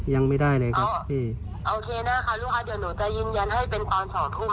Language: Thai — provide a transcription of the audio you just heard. ยังไม่ได้เลยครับพี่โอเคนะคะลูกค้าเดี๋ยวหนูจะยืนยันให้เป็นตอนสองทุ่ม